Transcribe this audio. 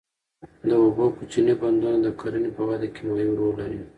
د اوبو کوچني بندونه د کرنې په وده کې مهم رول لري.